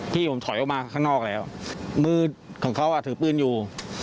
พี่ผมถอยออกมาข้างนอกแล้วมือของเขาถือปืนอยู่